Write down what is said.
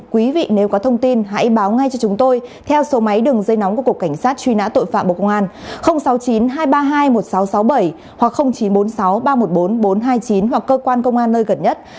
quý vị nếu có thông tin hãy báo ngay cho chúng tôi theo số máy đường dây nóng của cục cảnh sát truy nã tội phạm bộ công an sáu mươi chín hai trăm ba mươi hai một nghìn sáu trăm sáu mươi bảy hoặc chín trăm bốn mươi sáu ba trăm một mươi bốn bốn trăm hai mươi chín hoặc cơ quan công an nơi gần nhất